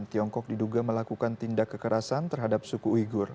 tiongkok diduga melakukan tindak kekerasan terhadap suku uyghur